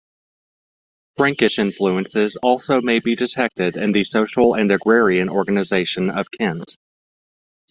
Frankish influences also may be detected in the social and agrarian organization of Kent.